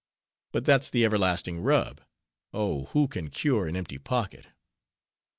But that's the everlasting rub—oh, who can cure an empty pocket?